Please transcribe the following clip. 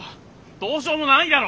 どうしようもないだろ！